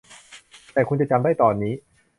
แต่คุณจะจำได้ตอนนี้